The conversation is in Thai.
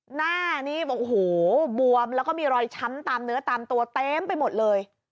หน้านี้บอกโอ้โหบวมแล้วก็มีรอยช้ำตามเนื้อตามตัวเต็มไปหมดเลย